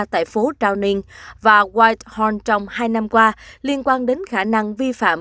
tại phố downing và whitehorn trong hai năm qua liên quan đến khả năng vi phạm